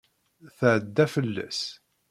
Tɛedda fell-as.